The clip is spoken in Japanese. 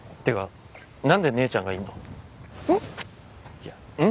いや「ん？」